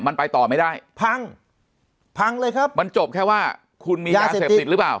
มันไปต่อไม่ได้พังพังเลยครับมันจบแค่ว่าคุณมียาเสพติดหรือเปล่า